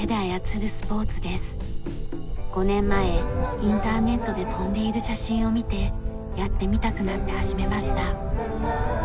５年前インターネットで飛んでいる写真を見てやってみたくなって始めました。